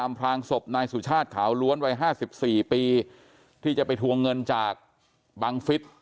พลางศพนายสุชาติขาวล้วนวัย๕๔ปีที่จะไปทวงเงินจากบังฟิศ